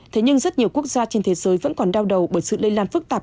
thế nhưng rất nhiều quốc gia trên thế giới vẫn còn đau đầu bởi sự lây lan phức tạp